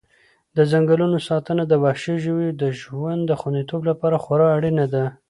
د ځنګلونو ساتنه د وحشي ژویو د ژوند د خوندیتوب لپاره خورا اړینه ده.